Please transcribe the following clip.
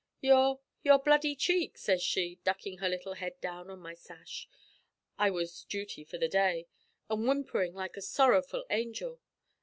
"'Your your bloody cheek,' sez she, duckin' her little head down on my sash (I was duty for the day), an' whimperin' like a sorrowful angel.